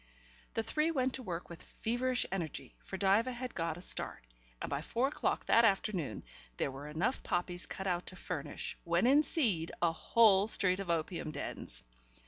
The three went to work with feverish energy, for Diva had got a start, and by four o'clock that afternoon there were enough poppies cut out to furnish, when in seed, a whole street of opium dens.